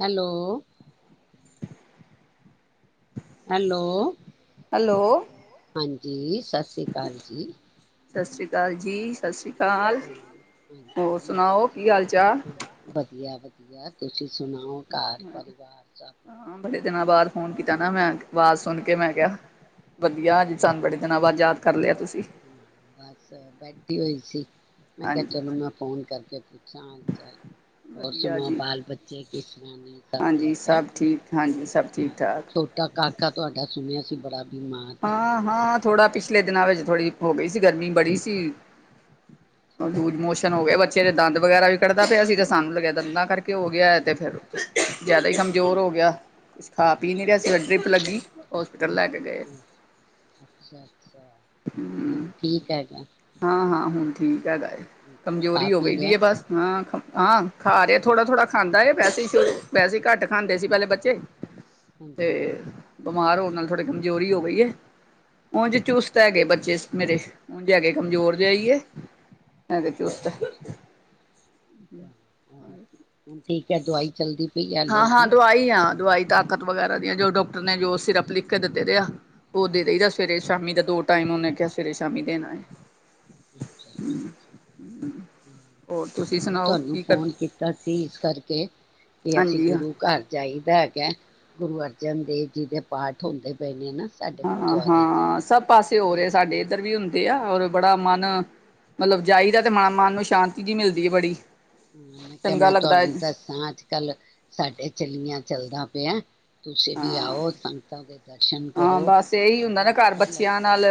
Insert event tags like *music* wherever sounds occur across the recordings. Hello hello hello ਹਾਂਜੀ ਸਤਿ ਸ਼੍ਰੀ ਅਕਾਲ ਜੀ ਸਤਿ ਸ਼੍ਰੀ ਅਕਾਲ ਜੀ ਸਤਿ ਸ਼੍ਰੀ ਅਕਾਲ ਹੋਰ ਸੁਣਾਓ ਕੀ ਹਾਲ ਚਾਲ ਵਧੀਆ ਵਧੀ ਯਾਰ ਤੁਸੀਂ ਸੁਣਾਓ ਘਰ ਪਰਿਵਾਰ ਸਭ ਹਾਂ ਬੜੇ ਦਿਨਾਂ ਬਾਅਦ ਫੋਨ ਕੀਤਾ ਨਾ ਮੈਂ ਆਵਾਜ਼ ਸੁਣ ਕੇ ਮੈਂ ਕਿਹਾ ਵਧੀਆ ਹਾਂਜੀ। ਸਾਨੂੰ ਬੜੇ ਦਿਨਾਂ ਬਾਅਦ ਯਾਦ ਕਰ ਲਿਆ ਤੁਸੀਂ ਹਾਂ ਬਸ ਬੈਠੀ ਹੋਈ ਸੀ ਮੈਂ ਕਿਹਾ ਹਾਂਜੀ ਚਲੋ ਮੈਂ ਫੋਨ ਕਰਕੇ ਪੁੱਛਾਂ ਹਾਲ ਚਾਲ ਹੋਰ ਵਧੀਆ ਸੁਣਾਓ ਜੀ ਬਾਲ ਬੱਚੇ ਕਿਸ ਤਰ੍ਹਾਂ ਨੇ ਸਭ ਹਾਂਜੀ ਠੀਕ ਹੈ ਸਭ ਠੀਕ ਹਾਂਜੀ ਸਭ ਠੀਕ ਠਾਕ ਛੋਟਾ ਕਾਕਾ ਤੁਹਾਡਾ ਸੁਣਿਆ ਬੜਾ ਬਿਮਾਰ ਸੀ ਹਾਂ ਪਿੱਛੇ। ਹਾਂ ਥੋੜਾ ਪਿਛਲੇ ਦਿ ਦਿਨਾਂ ਵਿੱਚ ਥੋੜੀ ਹੋ ਗਈ ਗਰਮੀ ਬੜੀ ਸੀ ਅੱਛਾ ਲੂਜ਼ ਮੋਸ਼ਨ ਹੋ ਗਏ ਬੱਚੇ ਦੇ ਦੰਦ ਵਗੈਰਾ ਵੀ ਕੱਢਦਾ ਪਿਆ ਸੀ ਤੇ ਸਾਨੂੰ ਲੱਗਿਆ ਦੰਦਾਂ ਕਰਕੇ ਹੋ ਗਿਆ ਤੇ ਫਿਰ ਜਿਆਦਾ ਹੀ ਕਮਜ਼ੋਰ ਹੋ ਗਿਆ ਕੁਛ ਖਾ ਪੀ ਨੀ ਅੱਛਾ ਰਿਹਾ ਸੀ ਅੱਛਾ ਡਰਿਪ ਅੱਛਾ ਲੱਗੀ ਹੋਸਪਿਟਲ ਲੈ ਕੇ ਗਏ ਅੱਛਾ ਅੱਛਾ ਹ ਹੁਣ ਠੀਕ ਹੈਗਾ ਹਾਂ ਹਾਂ ਹੁਣ ਠੀਕ ਹੈਗਾ ਏ ਕੁਛ ਖਾ ਕਮਜ਼ੋਰੀ ਹੋ ਪੀ ਗਈ ਰਿਹਾ ਦੀ ਏ ਬਸ ਹਾਂ ਹਾਂ ਖਾ ਰਹੇ ਥੋੜਾ ਥੋੜਾ ਖਾਂਦਾ ਏ ਵੈਸੇ ਵੈਸੇ ਘੱਟ ਖਾਂਦੇ ਸੀ ਪਹਿਲੇ ਬੱਚੇ ਤੇ ਹਾਂਜੀ *inaudible* ਬਿਮਾਰ ਹੋ ਨਾਲ ਥੋੜੇ ਕਮਜ਼ੋਰੀ ਹੋ ਹੋਈ ਹੈ ਉੰਂਝ ਚੁਸ ਲੈ ਗੇ ਅੱਛਾ ਬੱਚੇ ਮੇਰੇ ਉਂਝ ਹੈਗੇ ਕਮਜ਼ੋਰ ਜਿਹਾ ਈ ਏ ਹੈਗੇ ਚੁਸਤ ਅੱਛਾ *unintelligible* ਠੀਕ ਹੈ ਦਵਾਈ ਚੱਲਦੀ ਪਈ ਹਾਲੇ ਹਾਂ ਹਾਂ ਉਹਦੀ ਦਵਾਈ ਆ ਦਵਾਈ ਤਾਂ ਤਾਕਤ ਵਗੈਰਾ ਦੀਆਂ ਜੋ ਡਾ ਨੇ ਜੋ ਸਿਰਪ ਲਿਖ ਕੇ ਦਿੱਤੇ ਦੇ ਆ ਉਹ ਦੇ ਦਈ ਦੈ ਸਵੇਰੇ ਸ਼ਾਮੀ ਦਾ ਦੋ ਟਾਈਮ ਉਹਨੇ ਕਹਿਆ ਸਵੇਰੇ ਸ਼ਾਮੀ ਦੇਣਾ ਏ ਹੋਰ ਤੁਸੀਂ ਮੈਂ ਸੁਣਾਓ ਤੁਹਾਨੂੰ ਕੀ ਕਰ ਫੋਨ ਕੀਤਾ ਸੀ ਇਸ ਕਰਕੇ ਕਿ ਅਸੀਂ ਹਾਂਜੀ ਹਾਂ। ਗੁਰੂ ਘਰ ਜਾਈਦੈ ਹੈਗਾ ਗੁਰੂ ਅਰਜਨ ਦੇਵ ਜੀ ਦੇ ਪਾਠ ਹੁੰਦੇ ਪਏ ਨੇ ਨਾ ਸਾਡੇ ਹਾਂ ਗੁਰਦੁਆਰੇ ਚ ਹਾਂ ਸਭ ਪਾਸੇ ਹੋ ਰੇ। ਤੇ ਸਾਡੇ ਮੈਂ ਏਧਰ ਵੀ ਹੁੰਦੇ ਕਿਹਾ ਆ, ਹਾਂ ਔਰ ਬੜਾ ਮਨ ਮਤਲਬ ਜਾਈਦਾ ਤੇ ਮ-ਮਨ ਨੂੰ ਸ਼ਾਂਤੀ ਜੀ ਮਿਲਦੀ ਆ ਬੜੀ। ਹਾਂ, ਕਿਆ ਚੰਗਾ ਮੈਂ ਲੱਗਦਾ ਹੈ ਤੁਆਨੂੰ ਦੱਸਾਂ ਅੱਜ ਕੱਲ੍ਹ ਸਾਡੇ ਚਲੀਆਂ ਚੱਲਦਾ ਪਿਐ ਤੁਸੀਂ ਵੀ ਹਾਂ ਆਓ, ਸੰਗਤਾਂ ਦੇ ਦਰਸ਼ਨ ਹਾਂ ਕਰੋ, ਬਸ ਇਹੀ ਹੁੰਦਾ ਬੜਾ ਨਾ ਘਰ ਅੱਛਾ ਬੱਚਿਆਂ ਲੱਗਦਾ ਐ। ਨਾਲ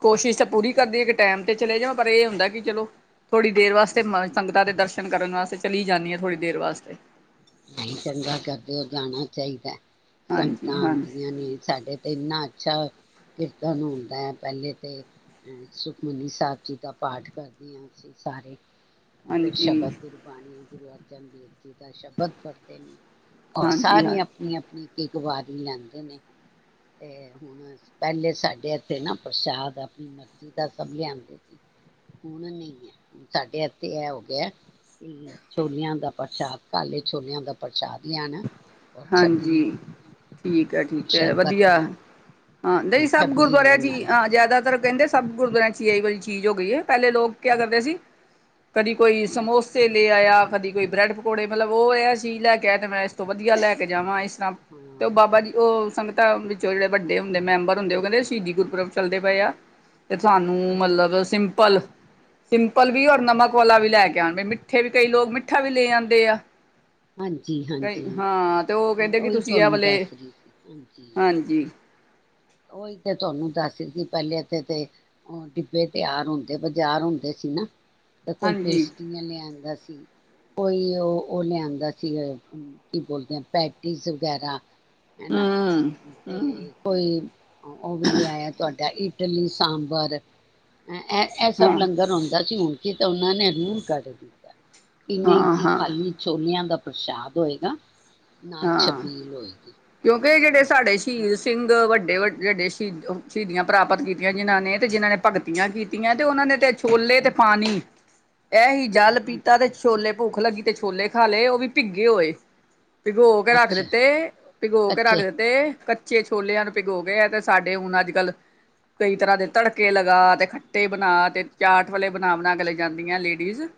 ਕੋਸ਼ਿਸ਼ ਤਾਂ ਪੂਰੀ ਕਰਦੀ ਐ, ਕਿ ਟੈਮ ਤੇ ਚਲੇ ਜਾਵਾਂ ਪਰ ਇਹ ਹੁੰਦਾ ਕਿ ਚਲੋ ਥੋੜ੍ਹੀ ਦੇਰ ਵਾਸਤੇ ਮ-ਸੰਗਤਾਂ ਦੇ ਦਰਸ਼ਨ ਸ਼ਨ ਕਰਨ ਵਾਸਤੇ ਚਲੀ ਜਾਂਨੀ ਆਂ, ਥੋੜ੍ਹੀ ਦੇਰ ਵਾਸਤੇ। ਨਹੀਂ ਚੰਗਾ ਕਰਦੇ ਓ, ਜਾਣਾ ਚਾਹੀਦੈ। ਹਾਂਜੀ ਸੰਗਤਾਂ ਹਾਂਜੀ ਆਂਦੀਆਂ ਨੇ, ਸਾਡੇ ਤੇ ਇੰਨਾ ਅੱਛਾ ਕੀਰਤਨ ਹੁੰਦਾ ਐ ਪਹਿਲੇ ਤੇ। ਸੁਖਮਨੀ ਸਾਹਿਬ ਜੀ ਦਾ ਪਾਠ ਕਰਦੇ ਆਂ, ਅਸੀਂ ਸਾਰੇ। ਫੇਰ ਸ਼ਬਦ ਹਾਂਜੀ ਗੁਰਬਾਣੀ ਐ, ਗੁਰੂ ਅਰਜਨ ਦੇਵ ਜੀ ਦਾ ਸ਼ਬਦ ਤ ਨੀ, ਔਰ ਹਾਂਜੀ ਹਾਂ ਸਾਰੀਆ ਆਪਣੀ ਆਪਣੀ ਇੱਕ ਵਾਰੀ ਲੈਂਦੇ ਨੇ। ਤੇ ਹੁਣ ਪਹਿਲੇ ਸਾਡੇ ਇੱਥੇ ਨਾ ਪ੍ਰਸ਼ਾਦ ਆਪਣੀ ਮਰਜ਼ੀ ਦਾ ਸਭ ਲਿਆਂਦੇ ਸੀ। ਹੁਣ ਨਹੀਂ ਐ, ਹੁਣ ਸਾਡੇ ਇੱਥੇ ਐਹ ਹੋ ਗਿਆ ਐ ਵੀ ਛੋਲਿਆਂ ਦਾ ਪ੍ਰਸ਼ਾਦ ਕਲਿ ਛੋਲਿਆਂ ਦਾ ਪ੍ਰਸ਼ਾਦ ਲਿਆਣਾ ਔਰ ਛੱਬੀ ਹਾਂਜੀ, ਠੀਕ ਐ ਔਰ ਠੀਕ ਐ, ਸ਼ਰਬਤ ਵਧੀਆ ਪਿਆਣਾ ਹਾਂ ਹਾਂਜੀ ਨਹੀਂ ਸਭ ਛਬੀਲ ਗੁਰਦੁਆਰਿਆਂ ਚ ਨਾਲੇ ਆਂ ਜ਼ਿਆਦਾਤਰ ਕਹਿੰਦੇ ਸਭ ਗੁਰਦੁਆਿਆਂ ਚ ਏ ਈ ਵਾਲੀ ਚੀਜ਼ ਹੋ ਗਈ ਐ। ਪਹਿਲੇ ਲੋਕ ਕਿਆ ਕਰਦੇ ਸੀ ਕਦੀ ਕੋਈ ਹਾਂਜੀ ਸਮੋਸੇ ਲੇ ਆਇਆ ਦੀ ਕੋਈ ਬ੍ਰੈਡ ਪਕੌੜੇ। ਮਤਲਬ ਉਹ ਐਹ ਚੀਜ਼ ਲੈ ਕੇ ਆਇਆ, ਤੇ ਮੈਂ ਤੋਂ ਵਧੀਆ ਲੈ ਕੇ ਜਾਵਾਂ ਇਸ ਤੇ ਹਾਂ ਉਹ, ਬਾਬਾ ਜੀ ਓਹ ਸੰਗਤਾਂ ਵਿੱਚੋਂ ਜਿਹੜੇ ਵੱਡੇ ਹੁੰਦੇ ਮੈਂਬਰ ਹੁੰਦੇ, ਉਹ ਕੈਂਦੇਂ ਸੀ਼ਦੀ ਗੁਰਪੁਰਬ ਚੱਲਦੇ ਪਏ ਆ ਤੇ ਤੁਹਾਨੂੰ ਹਾਂ ਮਤਲਬ ਸਿੰ ਪਲ ਸਿੰਪਲ ਵੀ, ਔਰ ਅੱਛਾ ਅੱਛਾ ਨਮਕ ਵਾਲਾ ਵੀ ਲੈ ਕੇ ਆਣ। ਮਿੱਠੇ ਵੀ ਕਈ ਲੋਕ ਮਿੱਠਾ ਵੀ ਲੈ ਆਂਦੇ ਆ। ਹਾਂਜੀ। ਜੀ ਕਈ ਹਾਂਜੀ, ਹਾਂ ਤੇ ਉਹ ਓ ਕਹਿੰਦੇ ਕਿ ਓਹੀ ਤੁਸੀਂ ਇਹ ਤੁਆਨੂੰ ਵਾਲੇ ਦੱਸ ਰਹੀ ਸੀ, ਹਾਂਜੀ। ਓ ਈ ਤੇ ਤੁਆਨੂੰ ਦੱਸ ਰੀ ਸੀ ਪਹਿਲੇ ਇੱਥੇ ਤੇ, ਉਹ ਡਿੱਬੇ ਤਿਆਰ ਹੁੰਦੇ ਬਾਜ਼ਾਰ ਹੁੰਦੇ ਸੀ ਨਾ ਤੇ ਕੋਈ ਹਾਂਜੀ ਪੇਸਟਰੀਆਂ ਲਿਆਦਾ ਸੀ ਸੀ। ਕੋਈ ਉਹ ਉਹ ਲਿਆਂਦਾ ਸੀ, ਕੀ ਬੋਲਦੇ ਆਂ ਪੈਟੀਜ਼ ਵਗੈਰਾ ਹੈਨਾ, ਹਮ ਹਮ ਤੇ ਕੋਈ ਉਹ ਵੀ ਲਿਆਇਆ ਤੁਹਾਡੇ ਇਟਲੀ ਸਾਂਬਰ ਇਹ ਇਹ ਸਭ ਹਾਂ ਲੰਗਰ ਆਉਂਦਾ ਸੀ, ਹੁਣ ਤੀ ਕੇ ਉਹਨਾਂ ਨੇ ਰੂਲ ਕੱਢ ਦਿੱਤਾ। ਕਿ ਨਹੀਂ ਹਾਂ ਕੀ ਹਾਂ ਖਾਲੀ ਛੋਲਿਆਂ ਦਾ ਪ੍ਰਸ਼ਾਦ ਹੋਏਗਾ। ਨਾਲ ਛੱਬੀਲ ਹੋਏਗੀ। ਵੀ ਜਿਹੜੇ ਸਾਡੇ ਸ਼ਹੀਦ ਸਿੰਘ ਵੱਡੇ ਵੱਡੇ ਜਿਹਡੇ ਸ਼ਹੀ ਸ਼ਹੀਦੀਆਂ ਪ੍ਰਾਪਤ ਕੀਤੀਆਂ, ਜਿਨਾਂ ਨੇ ਤੇ ਜਿਨਾਂ ਨੇ ਭਗਤੀਆਂ ਕੀਤੀਆਂ ਤੇ ਉਹਨਾਂ ਨੇ ਤੇ ਛੋਲੇ ਤੇ ਪਾਣੀ ਇਹ ਹੀ ਜਲ ਹਾਂਜੀ ਪੀਤਾ ਤੇ ਛੋਲੇ ਭੁੱਖ ਲੱਗੀ ਤੇ ਛੋਲੇ ਖਾ ਲਏ, ਉਹ ਵੀ ਭਿੱਗੇ ਹੋਏ। ਪਿਗੋ ਕੇ ਰੱਖ ਅੱਛਾ ਦਿੱਤੇ, ਪਿਗੋ ਕੇ ਰੱਖ ਕੱਚੇ ਦਿੱਤੇ ਕ ਕੱਚੇ ਛੋਲਿਆਂ ਨੂੰ ਭਿਗੋ ਗਏ ਹੈ, ਤੇ ਸਾਡੇ ਹੁਣ ਅੱਜ ਕੱਲ ਕਈ ਤਰ੍ਹਾਂ ਦੇ ਤੜਕੇ ਲਗਾ ਤੇ ਖੱਟੇ ਬਣਾ ਤੇ ਚਾਟ ਵਾਲੇ ਬਣਾ- ਬਣਾ ਕੇ ਲੈ ਜਾਂਦੀਆਂ ਨੇ ਲੇਡ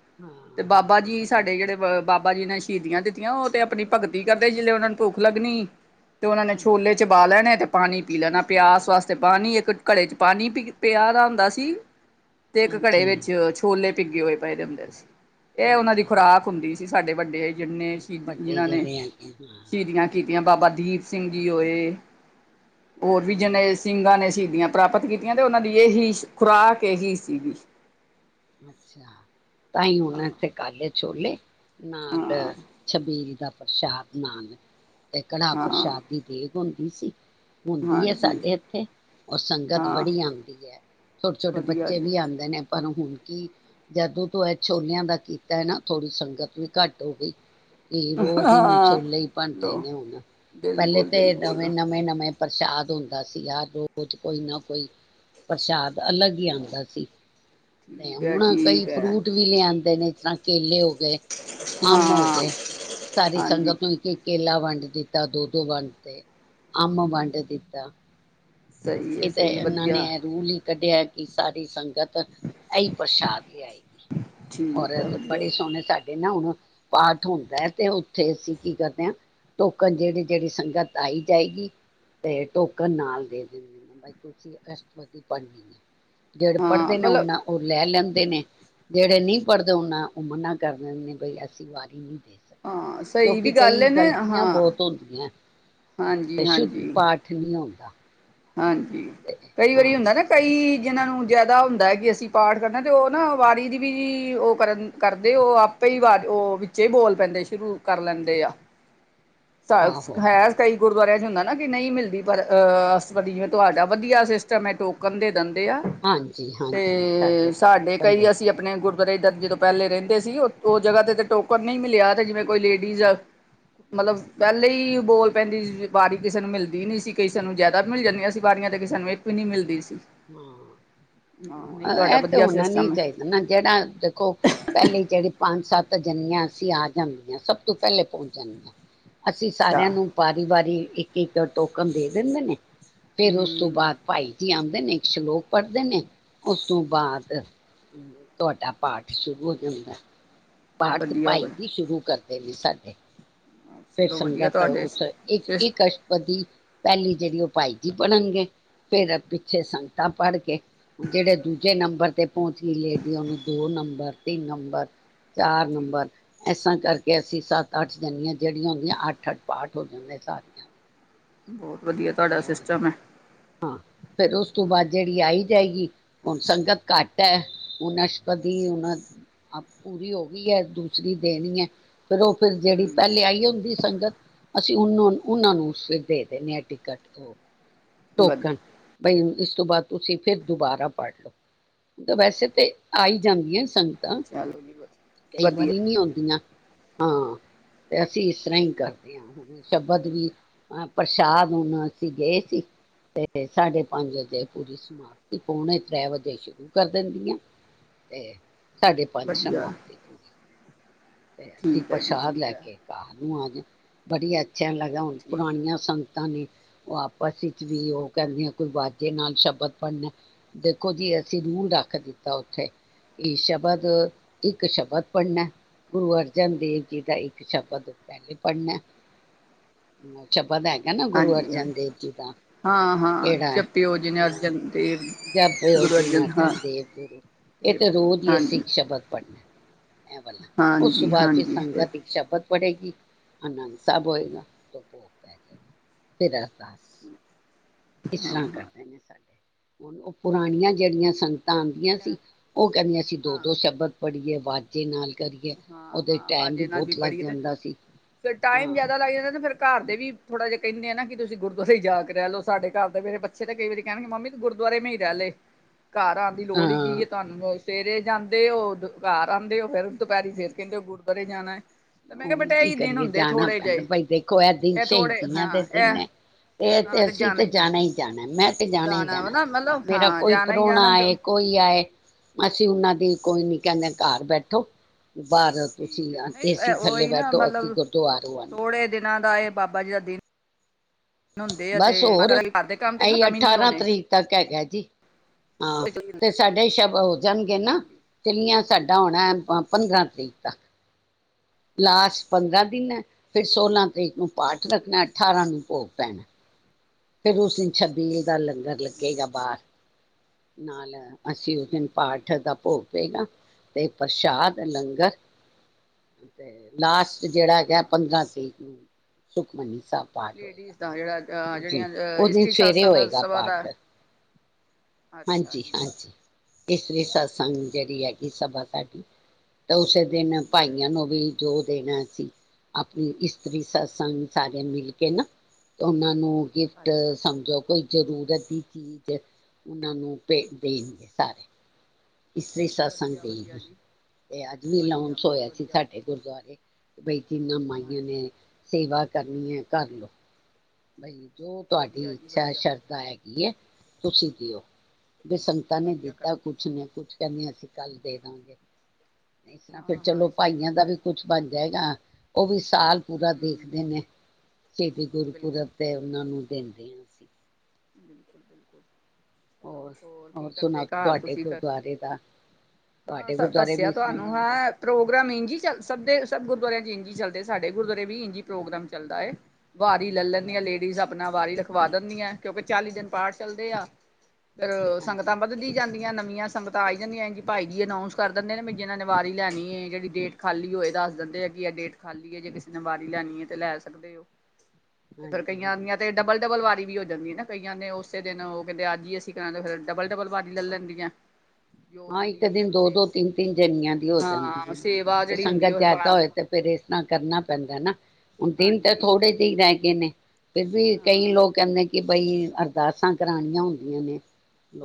ਤੇ ਹਾਂ-ਹਾਂ ਬਾਬਾ ਜੀ ਥੋੜੇ ਸਾਡੇ ਜੇ ਜਿਹੜੇ ਬਾਬਾ ਜੀ ਨੇ ਸ਼ਹੀਦੀਆਂ ਦਿੱਤੀਆਂ ਉਹ ਤੇ ਆਪਣੀ ਭਗਤੀ ਕਰਦੇ ਜਿਸ ਵੇਲੇ ਉਹਨਾ ਨੂੰ ਭੁੱਖ ਲੱਗਣੀ ਤੇ ਉਹਨਾਂ ਨੇ ਛੋਲੇ ਹਾਂਜੀ, ਚਬਾ ਲੈਣੇ ਤੇ ਪਾਣੀ ਪੀ ਲੈਣਾ ਪਿਆਸ ਵਾਸਤੇ ਪਾਣੀ ਇੱਕ ਘੜੇ 'ਚ ਪਾਣੀ ਪੀ ਪਿਆ ਦਾ ਹੁੰਦਾ ਸੀ। ਤੇ ਇੱਕ ਘੜੇ ਹਾਂਜੀ। ਵਿੱਚ ਛੋਲੇ ਪਿੱਗੇ ਹੋਏ ਪਏ ਹੁੰਦੇ ਸੀ। ਇਹ ਉਹਨਾਂ ਦੀ ਖੁਰਾਕ ਹਾਂਜੀ-ਹਾਂਜੀ ਹੁੰਦੀ ਸੀ, ਸਾਡੇ ਵੱਡੇ ਜਿੰਨੇ ਸ਼ਹੀਦ ਜਿਨ੍ਹਾਂ ਨੇ *unintelligible* ਜਾਂ ਬਾਬਾ ਦੀਪ ਸਿੰਘ ਜੀ ਹੋਏ ਹੋਰ ਵੀ ਹੂੰ। ਜਿੰਨੇ ਸਿੰਘਾਂ ਨੇ ਸੀ ਦੀ ਪ੍ਰਾਪਤ ਕੀਤੀਆਂ ਤੇ ਉਹਨਾਂ ਦੀ ਇਹੀ ਖੁਰਾਕ ਇਹੀ ਸੀਗੀ। ਅੱਛਾ ਤਾਂ ਹੀ ਹੁਣ ਇੱਥੇ ਕਾਲੇ- ਛੋਲੇ ਨਾਲ ਹਾਂ ਛਬੀਲ ਦਾ ਪ੍ਰਸ਼ਾਦ ਨਾਲ ਤੇ ਕੜਾਹ ਹਾਂ ਪ੍ਰਸ਼ਾਦ ਦੀ ਦੇਗ ਹੁੰਦੀ ਸੀ। ਹੁੰਦੀ ਹੈ, ਹਾਂਜੀ ਸਾਡੇ ਇੱਥੇ ਔਰ ਸੰਗਤ ਹਾਂ ਬੜੀ ਆਉਂਦੀ ਆ, ਛੋਟੇ ਛੋਟੇ ਵਧੀਆ ਬੱਚੇ ਜੀ ਵੀ ਆਉਂਦੇ ਨੇ। ਪਰ ਹੁਣ ਜਦੋਂ ਤੋਂ ਇਹ ਛੋਲਿਆਂ ਦਾ ਕੀਤਾ ਹੈ ਨਾ ਥੋੜ੍ਹੀ ਸੰਗਤ ਵੀ ਘੱਟ ਹੋ ਗਈ। ਕਿ ਰੋਜ਼ ਹੁਣ ਹਾਂ ਛੋਲੇ ਹੀ ਬਣਦੇ ਲੋ ਨੇ ਹੁਣ, ਪਹਿਲੇ ਬਿਲਕੁਲ ਤੇ ਨਵੇਂ ਬਿਲਕੁਲ -ਨਵੇਂ -ਨਵੇਂ ਪ੍ਰਸ਼ਾਦ ਹੁੰਦਾ ਸੀਗਾ ਜੋ ਕੁਝ ਕੋਈ ਨਾ ਕੋਈ ਪ੍ਰਸ਼ਾਦ ਅਲੱਗ ਹੀ ਆਉਂਦਾ ਸੀ। ਠੀਕ ਹੈ ਹੁਣ ਕਈ ਠੀਕ ਹੈ ਫਰੂਟ ਵੀ ਲਿਆਂਦੇ ਸਾ। ਕੇਲੇ ਹੋ ਗਏ। ਗਏ। ਅਮ ਹੋ ਹਾਂ ਗਏ ਸਾਰੀ ਹਾਂਜੀ ਸੰਗਤ ਨੂੰ ਇੱਕ- ਇੱਕ ਕੇਲਾ। ਵੰਡ ਦਿੱਤਾ ਦੋ- ਦੋ ਵੰਡ ਤੇ ਅਮ ਵੰਡ ਦਿੱਤਾ। ਸਹੀ ਹੈ ਕਿਤੇ ਸਹੀ ਇਹਨਾਂ ਵਧੀਆ ਨੇ ਰੂਲ ਹੀ ਕੱਢਿਆ ਕਿ ਸਾਰੀ ਸੰਗਤ ਇਹੀ ਪ੍ਰਸ਼ਾਦ ਲਿਆ ਏ। ਔਰ ਠੀਕ ਹੈ ਵਧੀਆ ਬੜੇ ਸੋਹਣੇ ਸਾਡੇ ਨਾ ਹੁਣ ਪਾਠ ਹੁੰਦਾ ਹੈ ਤੇ ਉੱਥੇ ਅਸੀਂ ਕੀ ਕਰਦੇ ਹਾਂ, ਟੋਕਨ ਜਿਹੜੀ ਜਿਹੜੀ ਸੰਗਤ ਆਈ ਜਾਏਗੀ ਤੇ ਟੋਕਨ ਨਾਲ ਦੇ ਦਿੰਦੇ ਹ ਬਾਈ ਤੁਸੀਂ ਅਸ਼ਵ ਪੜ੍ਹਨੀ ਹ਼ਨਾ। ਜੇੜੇ ਹਾਂ ਪੜਦੇ ਨੇ ਮਤਲਬ ਉਨਾ ਲੈ ਲੈਂਦੇ ਨੇ, ਜਿਹੜੇ ਨਹੀਂ ਪੜ੍ਹਦੇ ਉਹਨਾਂ ਉਹ ਮੰਨਾ ਕਰ ਦਿੰਦੇ ਨੇ, ਬਈ ਅਸੀਂ ਵਾਰੀ ਨਹੀਂ। ਹਾਂ ਸਹੀ ਕਿਉਂਕਿ ਵੀ ਗੱਲ ਕਈ ਹੈ ਨਾ ਗਲਤੀਆਂ ਹਾਂ ਬਹੁਤ ਹੁੰਦੀਆਂ। ਤੇ ਹਾਂਜੀ ਸ਼ੁੱਧ ਹਾਂਜੀ ਪਾਠ ਨਹੀਂ ਹੁੰਂਦਾ। ਹਾਂਜੀ, ਕਈ ਵਾਰੀ ਹੁੰਦਾ ਨਾ ਕਈ ਇਹਨਾਂ ਨੂੰ ਜਿਆਦਾ ਹੁੰਦਾ ਕਿ ਅਸੀਂ ਪਾਠ ਕਰਨਾ ਤੇ ਉਹ ਨਾ ਵਾਰੀ ਦੀ ਵੀ ਉਹ ਕਰਦੇ ਉਹ ਆਪੇ ਹੀ ਵਿੱਚ ਬੋਲ ਪੈਂਦੇ ਸ਼ੁਰੂ ਕਰ ਲੈਂਦੇ ਆ। ਸਸ ਆਹੋ ਹੈ ਕਈ ਗੁਰਦੁਆਰਿਆਂ ਚੋ ਹੁੰਦਾ ਨਾ ਕਿ ਨਹੀਂ ਮਿਲਦੀ ਪਰ ਅਹ ਵਧੀਆ ਜਿਵੇਂ ਤੁਹਾਡਾ ਵਧੀਆ ਸਿਸਟਮ ਹੈ ਟੋਕਨ ਦੇਨ। ਦੇ ਆ ਹਾਂਜੀ ਹਾਂਜੀ ਤੇ ਸਾਡੇ ਟੋਕਨ ਕਈ ਦਿੰਦੇ ਅਸੀਂ ਨੇ ਆਪਣੇ ਗੁਰ ਕਨੇਡਾ ਚ ਜਦੋਂ ਪਹਿਲੇ ਰਹਿੰਦੇ ਸੀ ਉਥੋਂ ਉਹ ਜਗ੍ਹਾ ਤੇ ਤੇ ਟੋਕਰ ਨਹੀਂ ਮਿਲਿਆ ਤੇ ਜਿਵੇਂ ਕੋਈ ਲੇਡੀਜ ਮਤਲਬ ਪਹਿਲੇ ਹੀ ਬੋਲ ਪੈਂਦੀ ਸੀ ਬਾਰੀ ਕਿਸੇ ਨੂੰ ਮਿਲਦੀ ਨਹੀਂ ਸੀ ਕਈ ਸਾਨੂੰ ਸਭ ਨੂੰ ਮਿਲ ਜਾਂਦੀਆਂ ਸੀਂ ਬਾਰੀਆਂ ਦੇਖ ਸਾਨੂੰ ਇੱਕ ਵੀ ਨਹੀਂ ਮਿਲਦੀ ਸੀ। ਨਹੀਂ ਹਾਂ ਤੁਹਾਡਾ ਇਹ ਤੇ ਵਧੀਆ ਹੋਣਾ ਨੀ ਸਿਸਟਮ ਹੈ ਚਾਹੀਦਾ ਨਾ ਜਿਹੜਾ ਦੇਖੋ, ਪਹਿਲੇ ਜਿਹੜੀ ਪੰਜ- ਸੱਤ ਤਾਂ ਜਨੀਆ ਅਸੀਂ ਆ ਜਾਂਦੀ ਹਾਂ ਸਭ ਤੋਂ ਪਹਿਲੇ ਪਹੁੰਚ ਜਾਂਦੀ ਆ। ਅਸੀਂ ਅੱਛਾ ਸਾਰਿਆਂ ਨੂੰ ਵਾਰੀ -ਵਾਰੀ ਈ ਇੱਕ- ਇੱਕ ਨੂਰ ਟੋਕਨ ਦੇ ਦਿੰਦੇ ਨੇ। ਤੇ ਉਸ ਤੋਂ ਹਮ ਬਾਅਦ ਭਾਈ ਜੀ ਆਉਂਦੇ ਇੱਕ ਸਲੋਕ ਪੜਦੇ ਨੇ, ਉਸ ਤੋਂ ਬਾਅਦ, ਤੁਹਾਡਾ ਪਾਠ ਸ਼ੁਰੂ ਹੋ ਜਾਂਦਾ। ਪਾਠ ਤੇ ਵਧੀਆ ਭਾਈ ਜੀ ਸ਼ੁਰੂ ਕਰਦੇ। ਏ ਵੀ ਸਾਡੇ ਤੇ ਚਲੋ ਵਧੀਆ ਸੰਗਤ ਤੁਹਾਡੇ ਉਸ ਇੱਕ ਸਿਸ ਇੱਕ ਅਸ਼ਟਪਦੀ ਪਹਿਲੀ ਜਿਹੜੀ ਉਹ ਭਾਈ ਜੀ ਪੜਨਗੇ, ਫਿਰ ਪਿੱਛੇ ਸੰਗਤਾਂ ਪੜ ਕੇ, ਹੁਣ ਜਿਹੜੇ ਦੂਜੇ ਨੰਬ ਨੰਬਰ ਤੇ ਪਹੁੰਚ ਗਈ ਲੇਡੀ ਉਹਨੂੰ ਦੋ ਨੰਬਰ ਤਿੰਨ ਨੰਬਰ ਚਾਰ ਨੰਬਰ ਇਸਾ ਕਰਕੇ ਅਸੀਂ ਸੱਤ ਅੱਠ ਜਾਣੀਆ, ਹਾਂ ਜਿਹੜੀਆਂ ਹੁੰਦੀਆਂ ਅੱਠ-ਅੱਠ ਪਾਠ ਹੋ ਜਾਂਦੇ ਸਾਰੀਆਂ ਦੇ *unintelligible* ਬਹੁਤ, ਵਧੀਆ ਤੁਹਾਡਾ ਹੋਰ ਸਿਸਟਮ ਹੈ ਹਾਂ, ਫਿਰ ਉਸ ਤੋਂ ਬਾਅਦ ਜਿਹੜੀ ਆਈ। ਜਾਏਗੀ, ਹੁਣ ਸੰਗਤ ਘੱਟ ਹੈ, ਉਹ ਨਸ਼ਪਤੀ ਹੁਣ ਪੂਰੀ ਹੋ ਗਈ ਹੈ ਦੂਸਰੀ ਦੇਣੀ ਹੈ। ਫਿਰ ਉਹ ਫਿਰ ਜਿਹੜੀ ਹੂੰ ਪਹਿਲੇ ਆਈ ਔਦੀ ਸੰਗਤ ਅਸੀਂ ਉਹਨਾਂ ਨੂੰ ਉਸ਼ੇ ਦੇ ਦਿੰਨੇ ਆ ਕੱਟੋਕੋ ਵਧ ਟੋਕਣ ਪਈ, ਇਸ ਤੋਂ ਬਾਅਦ ਤੁਸੀਂ ਫਿਰ ਦੁਬਾਰਾ ਪੜ੍ਹ ਲਓ, ਤਾਂ ਵੈਸੇ ਤੇ ਆਈ ਜਾਂਦੀਆਂ ਸੰਗਤ ਤਾ ਚਲੋ ਜੀ ਵਧ ਕਈ ਵਧੀਆ ਵਾਰੀ ਨੀ ਆਉਂਦੀਆਂ। ਹਾਂ, ਤੇ ਅਸੀਂ ਇਸ ਤਰ੍ਹਾਂ ਹੀ ਕਰਦੇ ਹਾਂ ਹੁਣ ਸ਼ਬਦ ਵੀ ਅ ਪ੍ਰਸ਼ਾਦ ਹੁਣ ਅਸੀਂ ਗਏ ਸੀ, ਤੇ ਸਾਢੇ ਪੰਜ ਵਜੇ ਪੂਰੀ ਸਮਾਪਤੀ ਪੌਣੇ ਛੇ ਵਜੇ ਸ਼ੁਰੂ ਕਰ ਦਿੰਦੀਆਂ ਤੇ ਸਾਢੇ ਪੰਜ ਵਧੀਆ ਸਮਾਪਤੀ ਪੂਰੀ ਤੇ ਅਸੀਂ ਠੀਕ ਹੈ ਜੀ ਪ੍ਰਸ਼ਾਦ ਠੀਕ ਲੈ ਹੈ ਕੇ ਘਰ ਉਵਾ ਜੀ ਬੜੀਆ ਜੀ, ਅੱਛਾ ਲੱਗਾ, ਹੁਣ ਠੀਕ ਪੁਰਾਣੀਆਂ ਸੰ ਪਤਾ ਨਹੀਂ ਉਹ ਆਪਸ ਵਿੱਚ ਵੀ ਉਹ ਕਹਿੰਦੀ ਆ ਕੋਈ ਵਾਜੇ ਨਾਲ ਸ਼ਬਦ ਪੜ੍ਹਨਾ ਦੇਖੋ ਜੀ ਅਸੀਂ ਰੂਲ ਰੱਖ ਦਿੱਤਾ, ਉੱਥੇ ਕਿ ਸ਼ਬਦ ਇੱਕ ਸ਼ਬਦ ਪੜ੍ਹਨਾ ਗੁਰੂ ਅਰਜਨ ਦੇਵ ਜੀ ਦਾ ਇੱਕ ਸ਼ਬਦ ਪਹਿਲੇ ਪੜ੍ਹਨਾ ਸ਼ਬਦ ਹੈ। ਹਨਾ, ਗੁਰੂ ਹਾਂਜੀ ਹਾਂਜੀ ਅਰਜਨ ਦੇਵ ਜੀ ਦਾ ਹਾਂ ਹਾਂ ਕਿਹੜਾ ਜਪਿਓ ਜਿਵੇਂ ਅਹ ਅਰਜਨ ਦੇਵ ਜ ਜਾ ਗੁਰੂ ਹਾਂ ਅਰਜਨ ਦੇਵ ਗੁਰੂ ਇਹ ਤੇ ਰੋਜ਼ ਹੀ ਅਸੀਂ ਹਾਂਜੀ ਸ਼ਬਦ ਪੜ੍ਹਨਾ ਐਂ ਵਾਲਾ ਉਸ ਤੋਂ ਹਾਂਜੀ ਬਾਅਦ ਫਿਰ ਹਾਂਜੀ ਹਾਂ ਸੰਗਤ ਇੱਕ ਸ਼ਬਦ ਪੜੇਗੀ। ਆਨੰਦ ਸਾਹਿਬ ਹੋਏਗਾ। ਫਿਰ ਅਰਦਾਸ, ਇਸ ਤਰ੍ਹਾਂ ਕਰਦੇ ਨੇ ਸਾਡੇ ਹੁਣ ਉਹ ਪੁਰਾਣੀਆਂ ਜਿਹੜੀਆਂ ਸਨ। ਤਾਂ ਆਦੀਆਂ ਸੀ ਉਹ ਕਹਿੰਦੀਆਂ ਸੀਂ ਦੋ-ਦੋ ਸ਼ਬਦ ਪੜ੍ਹੀਏ, ਵਾਜੇ ਨਾਲ ਕਰੀਏ ਉਹਦੇ ਹਾਂ-ਹਾਂ, ਟਾਈਮ ਵਾਜ਼ੇ ਨਾਲ ਵੀ ਬਹੁਤ ਲੱਗ ਬੜੀ ਤੇ ਜਾਂਦਾ ਸੀ ਫਿਰ ਟਾਈਮ ਹਾਂ ਜਿਆਦਾ ਲੱਗ ਜਾਂਦਾ ਤੇ ਫੇਰ ਘਰ ਦੇ ਵੀ ਥੋੜਾ ਜਿਹਾ ਕਹਿੰਦੇ ਆ ਨਾ ਕਿ ਤੁਸੀਂ ਗੁਰਦੁਆਰੇ ਹੀ ਜਾ ਕੇ ਰਹਿ ਲਓ, ਸਾਡੇ ਘਰ ਦੇ ਮੇਰੇ ਬੱਚੇ ਤੇ ਕਈ ਵਾਰੀ ਕਹਿਣਗੇ ਮੰਮੀ ਤੂੰ ਗੁਰਦੁਆਰੇ ਮੈਂ ਹੀ ਰਹਿ ਲਏ। ਘਰ ਆਣ ਦੀ ਲੋੜ ਹੀ ਕੀ ਹਾਂ ਹੈ ਤੁਹਾਨੂੰ ਰੋਜ਼ ਸਵੇਰੇ ਜਾਂਦੇ ਔ, ਦੁਪਹਿਰੇ ਘਰ ਆਉਂਦੇ ਔ ਫੇਰ। ਦੁਪਹਿਰੇ, ਫਿਰ ਕੈੰਦੇ ਔ ਗੁਰਦੁਆਰੇ ਜਾਣਾ। ਤੇ ਮੈਂ ਕਿਹਾ ਹੁਣ ਬੇਟਾ ਕੀ ਇਹੀ ਦਿਨ ਕਰੀਏ ਹੁੰਦੇ ਜਾਣਾ ਥੋੜੇ ਪੈਂਦਾ ਜਿਹੇ ਬਾਈ ਦੇਖੋ ਐ ਦਿਨ ਇਹ ਥੋੜੇ ਸ਼ਹੀਦੀਆਂ ਦੇ ਹਾਂ ਦਿਨ ਇਹ ਹੈ, ਏਹ ਤੇ ਅਸੀਂ ਤੇ ਜਾਣਾ ਹੀ ਜਾਣੈ। ਮੈਂ ਤੇ ਤੇ ਜਾਣਾ ਹੀ ਵਾ ਜਾਣਾ। ਨਾ ਮਤਲਬ ਮੇਰਾ ਹਾਂ ਕੋਈ ਜਾਣਾ ਹੀ ਪ੍ਰੋਣਾ ਜਾਣਾ ਕਿਉਂ ਆਏ ਕੋਈ ਆਏ ਅਸੀਂ ਉਹਨਾਂ ਦੀ ਕੋਈ ਨੀ ਕੈੰਦੇ ਘਾਰ ਬੈਠੋ। ਬਾਹਰੋ ਤੁਸੀਂ ਠੀਕ ਹੈ ਆਣਾ ਨਹੀਂ ਏਸੀ ਥੱਲੇ ਉਹੀ ਬੈਠੋ, ਅਸੀਂ ਗੁਰਦੁਆਰੋ ਆਣੇ। ਨਾਲੇ ਤਾਂ ਏਹ ਬਾਬਾ ਜੀ ਦਾ ਦਿਨ ਹੁੰਦੇ ਆ ਤੇ ਬਸ ਹੋਰ ਮਤਲਬ ਘਰ ਦੇ ਕੰਮ ਤੇ ਅਹੀ ਖਤਮ ਹੀ ਨਹੀਂ ਅਠਾਰਾਂ ਹੋਣੇ ਤਰੀਕ ਤੱਕ ਹੈਗ ਹੈ ਜੀ। ਹਾਂ, ਤੇ ਸਾਡੇ ਸ਼ਵ ਹੋ ਜਾਣਗੇ ਨਾ ਹਾਂਜੀ ਚਿੱੱਲੀਆਂ ਸਾਡਾ ਹੋਣਾ ਹੈ ਪੰਦਰਾਂ ਤਰੀਕ ਤੱਕ। ਲਾਸਟ ਪੰਦਰਾਂ ਦਿਨ। ਫਿਰ, ਸੋਲਾਂ ਤਰੀਕ ਨੂੰ ਪਾਠ ਰੱਖਣੈ ਅਠਾਰਾਂ ਨੂੰ ਭੋਗ ਪੈਣਾ। ਫਿਰ ਉਸ ਦਿਨ ਛੱਬੀਲ ਦਾ ਲੰਗਰ ਠੀਕ ਲੱਗੇਗਾ ਬਾਹਰ ਨਾਲ। ਅਸੀਂ, ਉਸ ਦਿਨ ਠੀਕ ਠੀਕ ਪਾਠ ਦਾ ਭੋਗ ਪਏਗਾ। ਤੇ ਪ੍ਰਸ਼ਾਦ ਲੰਗਰ ਤੇ ਲਾਸਟ‌। ਜੇੜਾ ਹੈਗ ਹੈ ਹਾਂ ਪੰਦਰਾਂ ਤਰੀਕ ਨੂੰ। ਸੁਖਮਨੀ ਸਾਹਿਬ ਪਾਠ ਹੋਏਗਾ ਲੇਡੀਜ਼ ਦਾ ਜਿਹੜਾ ਆ ਉਸ ਦਿਨ ਜਿਹੜੀਆਂ ਆ ਉਸ ਦਿਨ ਇਸ਼ਤਰੀ ਸਵੇਰੇ ਸਤਿਸੰਗ ਹੋਏਗਾ ਸਭਾ ਦਾ। ਪਾਠ ਅੱਛਾ ਹਾਂਜੀ ਜੀ ਹਾਂਜੀ। ਇਸਤਰੀ ਸਤਿਸੰਗ ਚਲੋ ਜੇੜੀ ਚਲੋ ਹੈਗੀ ਸਭਾ ਸਾਡੀ। *inaudible* ਤਾਂ ਉਸੇ ਦਿਨ ਠੀਕ ਹੈ ਭਾਈਆਂ ਨੂੰ ਠੀਕ ਵੀ ਜੋ ਦੇਣਾ ਅਸੀ ਆਪਣੀ ਇਸਤਰੀ ਸਤਿਸੰਗ ਸਾਰੇ ਮਿਲ ਕੇ ਤੇ ਨਾ ਉਹਨਾਂ ਨੂੰ ਗਿਫ਼ਟ ਅੱਛਾ ਸਮਝੋ ਕੋਈ ਜ਼ਰੂਰਤ ਦੀ ਚੀਜ਼। ਕੇ। *unintelligible* ਉਹਨਾਂ ਨੂੰ ਦੇਣਗੇ ਸਾਰੇ ਇਸਤਰੀ ਸਤਿਸੰਗ ਵਧੀਆ ਦੇਗੀ। ਵਧੀਆ ਜੀ ਇਹ ਅੱਜ ਵੀ ਵਧੀਆ ਅਨਾਊਂਸ ਹੋਇਆ ਬਹੁਤ ਸੀ ਵਧੀਆ ਸਾਡੇ ਗੁਰਦੁਆਰੇ ਬਈ ਜਿੰਨੇ ਭਾਈਆਂ ਹਾਂਜੀ ਨੇ ਕਰ ਲੋਓ ਬਈ ਜੋ ਤੁਹਾਡੀ ਵਧੀਆ ਜੀ ਇੱਛਾ ਹੈ ਵਧੀਆ ਸ਼ਰਧਾ ਹੈਗੀ ਹੈ ਤੁਸੀਂ ਦੇਓ ਬਈ ਸੰਗਤਾਂ ਨੂ ਵਧੀਆ ਦੀਤਾ ਕਰਦੇ ਕੁਝ ਨਾ ਕੁਝ ਕਰਨਾ ਹੈ ਅਸੀ ਕਲ ਦੇ ਦਾਗੇ। ਇਸ ਤਰ੍ਹਾਂ ਹਾਂ ਹਾਂ ਚਲੋ ਇਸ ਤਰ੍ਹਾਂ ਹੀ ਭਾਈਆਂ ਹੁੰਦਾ ਦਾ ਹੈ ਵੀ ਕੁੱਝ ਬਣ ਜਾਏਗਾ। *unintelligible* ਸਾਲ ਪੂਰਾ ਹਮ ਦੇਖਦੇ ਨੇ ਸ਼ਹੀਦੀ ਗੁਰਪੁਰਬ ਬਿਲਕੁਲ ਪੁਰਬ ਤੇ ਉਹਨਾਂ ਨੂੰ ਦੇਣ ਦਿਨ ਸੀ। *inaudible* ਹੋਰ ਕੀ ਕਰਦੇ ਸੁਣਾਓ ਘਰ ਤੁਹਾਡੇ ਤੁਸੀਂ ਫਿਰ ਗੁਰਦੁਆਰੇ ਦਾ ਤੁਹਾਡੇ ਗੁਰਦੁਆਰੇ ਵੀ ਇਸ ਤਰ੍ਹਾਂ ਹੀ ਹੁੰਦਾ ਚਲਦੇ ਸਾਡੇ ਗੁਰਦੁਆਰੇ ਵੀ ਇੰਜੀ ਪ੍ਰੋਗਰਾਮ ਚੱਲਦਾ ਏ। ਵਾਰੀ ਲੈ ਅੱਛਾ ਲੈਂਦੀਆਂ ਜੀ ਲੇਡੀਜ਼ ਆਪਣਾ ਵਾਰੀ ਲਿਖਵਾ ਦਿੰਦੀਆਂ। ਕਿਉਂਕਿ ਚਾਲੀ ਦਿਨ ਪਾਠ ਚਲਦੇ ਆ। ਅ ਸੰਗਤਾਂ ਹਾਂਜੀ ਵੱਧਦੀ ਜਾਂਦੀਆਂ ਨ ਜਿੰਨੀਆਂ ਸੰਗਤਾਂ ਆ ਜਾਂਦੀਆਂ ਭਾਈ ਜੀ ਅਨਾਉਂਸ ਕਰ ਦਿੰਦੇ ਨੇ ਪਰ ਜਿਨਾਂ ਨੇ ਵਾਰੀ ਲੈਣੀ ਹ ਜਿਹੜੀ ਡੇਟ ਖਾਲੀ ਹੋ ਇਹਦਾ ਦਸ ਦਿੰਦੇ ਕੀ ਡੇਟ ਖਾਲੀ ਜੇ ਕਿਸੇ ਨੇ ਬਾਰੀ ਲੈਣੀ ਏ ਤੇ ਲੈ ਸਕਦੇ ਹੋ। ਪਰ ਹਾਂਜੀ ਕਈਆਂ ਹਾਂਜੀ ਦੀਆਂ ਤਾਂ ਡਬਲ- ਡਬਲ ਵਾਰੀ ਹੋ ਜਾਂ *unintelligible* ਕਈਆਂ ਨੇ ਉਸੇ ਦਿਨ ਕਈਆ ਉਹ ਕਹਿੰਦੇ ਅੱਜ ਹੀ ਅਸੀਂ ਕਰਾਣਾ ਉਹ ਫਿਰ ਡਬਲ ਡਬਲ ਵਾਰੀ ਲਲਨ ਦੀਆਂ। ਹਾਂ ਇੱਕ ਦਿਨ ਦੋ- ਦੋ ਤਿੰਨ- ਤਿੰਨ ਜਨੀਆਂ ਦੀ ਹੋ ਹਾਂ ਜਾਂਦੀ ਸੇਵਾ ਤੇ ਜਿਹੜੀ ਹੁੰਦੀ ਸੰਗਤ ਉਹ ਜੈਦਾ ਹੋਏ ਤੇ ਫਿਰ ਇਸ ਤਰਾਂ ਕਰਨਾ ਪੈਂਦਾ ਨਾ। ਹੁਣ ਦਿਨ ਤੇ ਹਾਂਜੀ ਥੋੜੇ ਜਿਹੇ ਰੇ ਕਿੰਨੇ ਫਿਰ ਵੀ ਹਾਂ ਕਈ ਲੋਕ ਕਹਿੰਦੇ ਕੇ ਬਈ ਅਰਦਾਸਾਂ ਕਰਾਉਣੀਆਂ ਹੁੰਦੀਆਂ ਨੇ।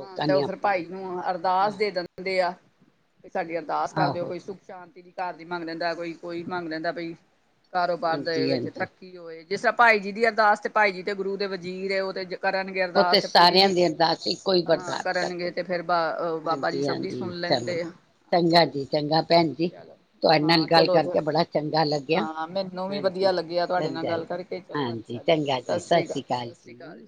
ਹਾਂ ਤੇ ਨੇ ਉਹ ਫਿਰ ਆਪਣੇ ਭਾਈ ਨੂੰ ਅਰ ਦਾਸ ਦੇ ਦਿੰਦੇ ਕਿਆ ਸਾਡੀ ਅਰਦਾਸ ਕਰ ਦਿਓ ਆਹੋ ਕੋਈ ਜੀ ਸੁਖ ਸ਼ਾਂਤੀ ਦੀ ਘਰ ਦੀ ਮੰਗ ਲੈਂਦਾ ਕੋਈ ਕੋਈ ਮੰਗ ਲੈਦਾ ਬਈ ਕਾਰੋਬਾਰ ਦੇ ਹਾਂਜੀ ਵਿੱਚ ਹਾਂਜੀ ਤੱਰਕੀ ਹੋਏ। ਜਿਸ ਭਾਈ ਜੀ ਦੀ ਅਰਦਾਸ ਭਾਈ ਜੀ ਤੇ ਗੁਰੂ ਦੇ ਵਜ਼ੀਰੇ ਉਹਦੇ 'ਚ ਉਹ ਤੇੇ ਸਾਰਿਆਂ ਦੀ ਅਰਦਾਸ ਸੀ ਇੱਕੋ ਹੀ ਹਾਂ ਬਰਦਾਸ਼ਤ ਕਰਦੇ ਕਰਨਗੇ ਨੇ ਤੇ ਫਿਰ ਬਾਬਾ ਜੀ ਹਾਂਜੀ ਸਭ ਸੁਣ ਹਾਂਜੀ ਚਲੋ ਲੈਂਦੇ ਹਾਂ। ਚੰਗਾ ਜੀ ਚੰਗਾ ਭੈਣ ਜੀ ਤੁਹਾਡੇ ਨਾਲ ਗੱਲ ਕਰਕੇ ਬੜਾ ਚੰਗਾ ਲੱਗਿਆ ਹਾਂਜੀ ਚੰਗਾ ਜੀ ਹਾਂਜੀ ਚੰਗਾ ਜੀ ਸਤਿ ਸ਼੍ਰੀ ਅਕਾਲ ਜੀ